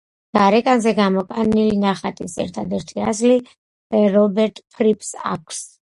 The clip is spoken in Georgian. გარეკანზე გამოტანილი ნახატის ერთადერთი ასლი რობერტ ფრიპს აქვს.